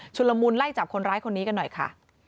ละมุนไล่จับคนร้ายคนนี้กันหน่อยค่ะ